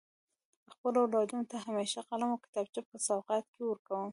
خپلو اولادونو ته همیشه قلم او کتابچه په سوغات کي ورکړئ.